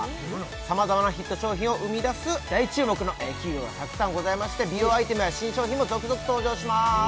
様々なヒット商品を生み出す大注目の企業がたくさんございまして美容アイテムや新商品も続々登場します